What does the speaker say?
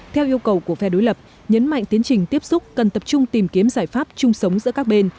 theo yêu cầu của phe đối lập nhấn mạnh tiến trình tiếp xúc cần tập trung tìm kiếm giải pháp chung sống giữa các bên